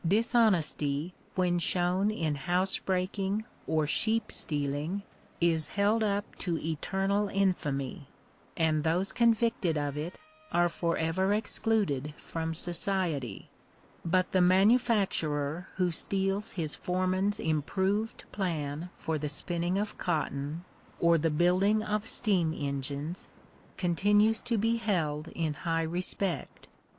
Dishonesty, when shown in house breaking or sheep stealing, is held up to eternal infamy, and those convicted of it are for ever excluded from society; but the manufacturer who steals his foreman's improved plan for the spinning of cotton, or the building of steam engines, continues to be held in high respect.